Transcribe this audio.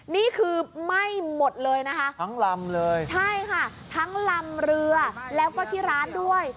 นี่คือไหม้หมดเลยนะคะทั้งลำเลยใช่ค่ะทั้งลำเรือแล้วก็ที่ร้านด้วย